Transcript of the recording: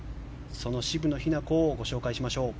その渋野日向子をご紹介しましょう。